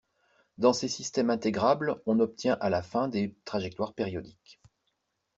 dans ces systèmes intégrables on obtient à la fin des trajectoires périodiques